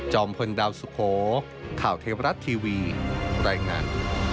พลดาวสุโขข่าวเทวรัฐทีวีรายงาน